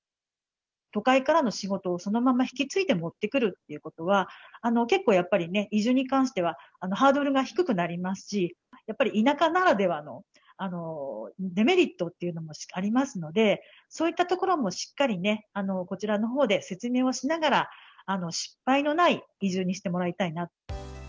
都会からの仕事をそのまま引き継いで持ってくるっていうことは、結構やっぱりね、移住に関してはハードルが低くなりますし、やっぱり田舎ならではのデメリットっていうのもありますので、そういったところもしっかりね、こちらのほうで説明をしながら、失敗のない移住にしてもらいたいな。